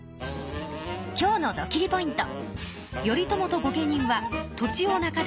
今日のドキリ★ポイント。